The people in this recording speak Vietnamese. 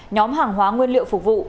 nhóm hàng hóa nguyên liệu phục vụ